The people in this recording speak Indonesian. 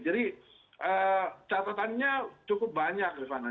jadi catatannya cukup banyak riffana